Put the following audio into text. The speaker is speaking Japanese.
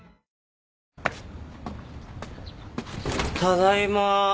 ただいま。